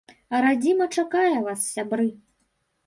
Радзіма чакае вас, сябры.